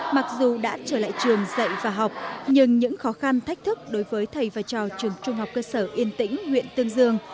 mặc dù đã trở lại trường dạy và học nhưng những khó khăn thách thức đối với thầy và trò trường trung học cơ sở yên tĩnh huyện tương dương